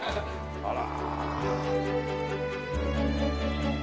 あら。